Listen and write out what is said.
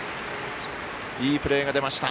いいプレーが出ました。